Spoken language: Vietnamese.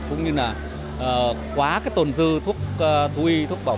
cũng như quá tồn dư thuốc thu y thuốc bảo